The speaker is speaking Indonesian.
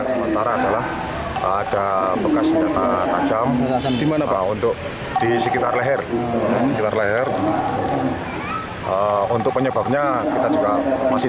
untuk penyebabnya kita juga masih dalam penyelidikan